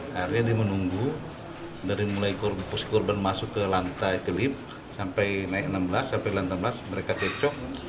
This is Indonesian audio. akhirnya dia menunggu dari mulai pos korban masuk ke lantai ke lift sampai naik enam belas sampai lantai enam belas mereka cekcok